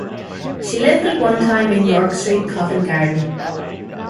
She lived at one time in York Street, Covent Garden.